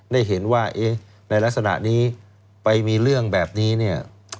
ได้เห็นว่าเอ๊ะในลักษณะนี้ไปมีเรื่องแบบนี้เนี่ย